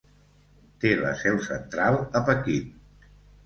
Té la seu central a Pequín.